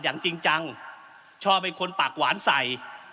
อย่างจริงจังชอบให้คนปากหวานใส่